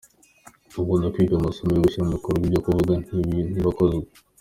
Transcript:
Akunda kwiga amasomo yo gushyira mu bikorwa, ibyo kuvuga ntabikozwa.